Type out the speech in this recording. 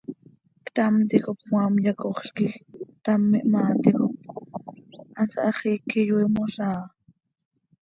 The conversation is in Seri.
Ctam ticop cmaam yacoxl quij ctam ihmaa ticop hansaa hax iiqui iyoiimoz áa.